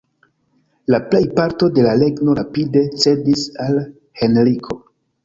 La plejparto de la regno rapide cedis al Henriko.